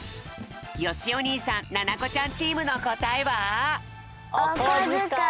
よしお兄さんななこちゃんチームのこたえは！？